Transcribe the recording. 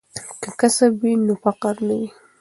که کسب وي نو فقر نه وي.